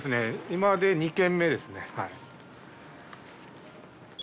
今で２軒目ですね。